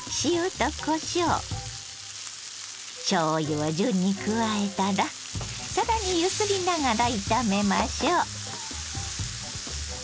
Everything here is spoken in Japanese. を順に加えたら更に揺すりながら炒めましょう。